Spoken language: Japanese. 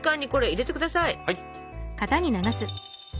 はい。